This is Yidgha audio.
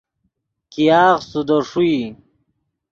ګیاغے سودے ݰوئی